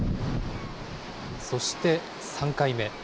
そして３回目。